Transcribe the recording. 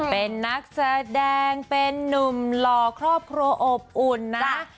เป็นนักแสดงเป็นนุ่มหล่อครอบครัวอบอุ่นนะ